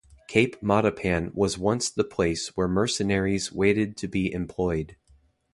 Cape Matapan was once the place where mercenaries waited to be employed.